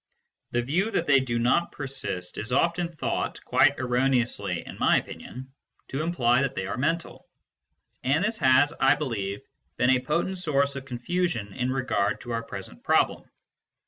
The view that they do not persist is often thought, quite erroneously in my opinion, to imply that they are mental ; and this has, 1 believe, been a potent source of confusion in regard to our present problem.